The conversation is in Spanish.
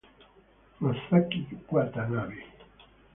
Masaki Watanabe